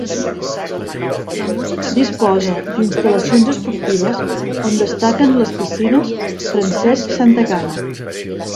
Disposa d'instal·lacions esportives, on destaquen les piscines Francesc Santacana.